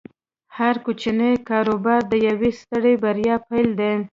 هر کوچنی کاروبار د یوې سترې بریا پیل دی۔